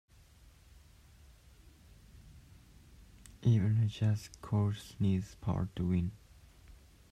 Even a just cause needs power to win.